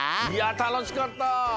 いやたのしかった！